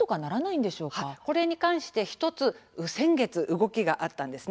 これに対して１つ先月、動きがあったんです。